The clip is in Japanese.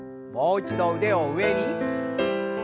もう一度腕を上に。